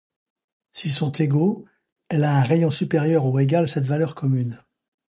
S'ils sont égaux, elle a un rayon supérieur ou égal à cette valeur commune.